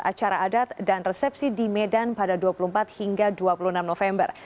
acara adat dan resepsi di medan pada dua puluh empat hingga dua puluh enam november